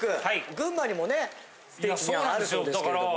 群馬にもねステーキがあるそうですけれども。